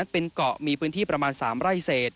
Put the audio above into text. เป็นเกาะมีพื้นที่ประมาณ๓ไร่เศษ